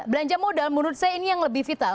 belanja modal menurut saya ini yang lebih vital